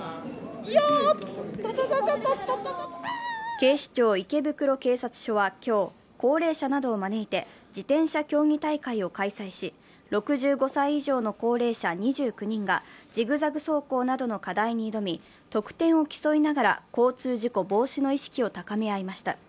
警視庁池袋警察署は今日、高齢者などを招いて自転車競技大会を開催し、６５歳以上の高齢者２９人がジグザグ走行などの課題に挑み、得点を競いながら交通事故防止の意識を高め合いました。